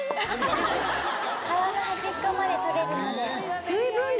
皮の端っこまで食べるので。